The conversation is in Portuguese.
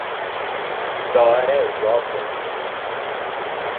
Doresópolis